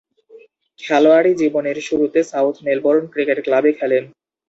খেলোয়াড়ী জীবনের শুরুতে সাউথ মেলবোর্ন ক্রিকেট ক্লাবে খেলেন।